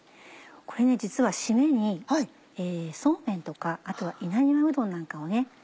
これね実は締めにそうめんとかあとは稲庭うどんなんかをね